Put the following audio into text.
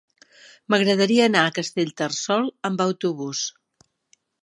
M'agradaria anar a Castellterçol amb autobús.